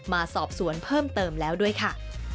มาสอบสวนเพิ่มเติมแล้วด้วยค่ะ